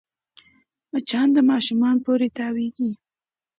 مچان د ماشوم بوري ته تاوېږي